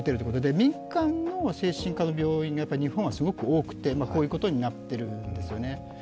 民間の精神科の病院が日本はすごく多くてこういうことになっているんですよね。